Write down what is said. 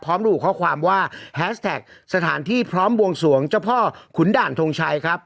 พร้อมรูปข้อความว่าสถานที่พร้อมวงสวงเจ้าพ่อขุนด่านทงชัยครับ